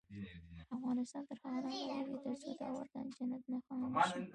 افغانستان تر هغو نه ابادیږي، ترڅو دا وطن جنت نښان نشي.